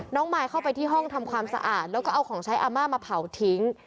มายเข้าไปที่ห้องทำความสะอาดแล้วก็เอาของใช้อาม่ามาเผาทิ้ง